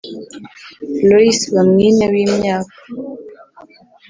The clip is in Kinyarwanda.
Loyce Bamwine w’imyaka